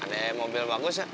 ada mobil bagus ya